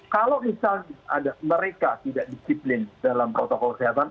kalau misalnya ada mereka tidak disiplin dalam protokol kesehatan